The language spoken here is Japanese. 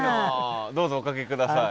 どうぞおかけ下さい。